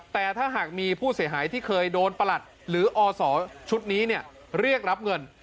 แต่ถ้าหากมีผู้เสียหายที่เคยโดนประหลัดหรืออศชุดนี้เรียกรับเงิน